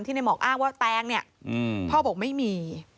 ที่ในหมอกอ้างว่าแตงพ่อบอกไม่มี